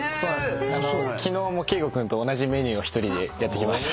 昨日も景瑚君と同じメニューを一人でやってきました。